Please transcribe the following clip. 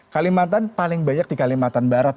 kalimantan paling banyak di kalimantan barat